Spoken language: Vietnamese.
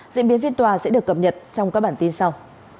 diễn biến phiên tòa sẽ được cập nhật trong các bản tin sau